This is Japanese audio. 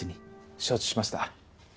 承知しました。